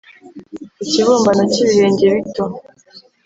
ikibumbano cyibirenge bito-